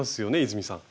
泉さん。